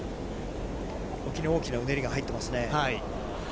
沖に大きなうねりが入ってますね。